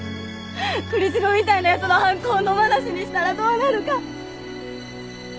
栗城みたいな奴の犯行を野放しにしたらどうなるか。